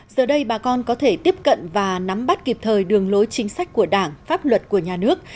giờ đây bà con có thể tiếp cận và nắm bắt kịp thời đường lối chính sách của đảng pháp luật của nhà nước